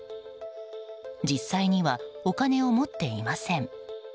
実際にはお金を持っていません。